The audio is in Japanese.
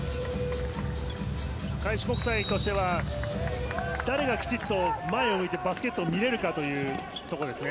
開志国際としては誰がきちんと前を向いてバスケットを見れるかというところですね。